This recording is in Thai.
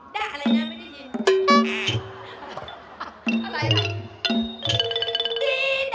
ได้อะไรนะไม่ได้ยิน